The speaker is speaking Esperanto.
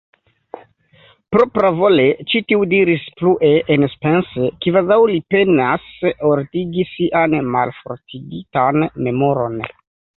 Propravole ĉi tiu diris plue, enpense, kvazaŭ li penas ordigi sian malfortigitan memoron: